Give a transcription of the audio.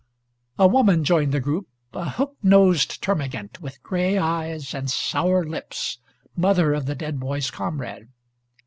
A woman joined the group, a hook nosed termagant, with gray eyes and sour lips, mother of the dead boy's comrade.